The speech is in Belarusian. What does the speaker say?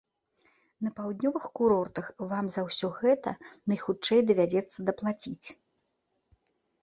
На паўднёвых курортах вам за ўсё гэта найхутчэй давядзецца даплаціць.